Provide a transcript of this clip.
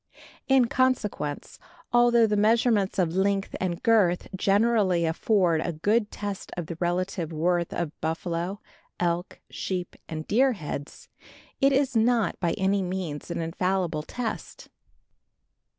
In consequence, although the measurements of length and girth generally afford a good test of the relative worth of buffalo, elk, sheep and deer heads, it is not by any means an infallible test.